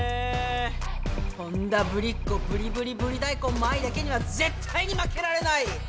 本田ブリっ子ブリブリブリ大根麻衣だけには絶対に負けられない！